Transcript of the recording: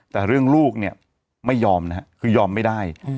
แต่เรื่องลูกเนี่ยไม่ยอมนะฮะคือยอมไม่ได้